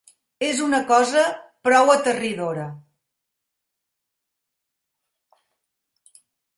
És una cosa prou aterridora.